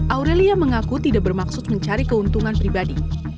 aurelia mengaku tidak bermaksud mencari keuntungan pribadi